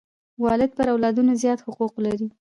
والدین پر اولادونو زیات حقوق لري.